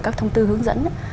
các thông tư hướng dẫn